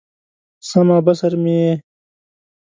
سمع او بصر مې یې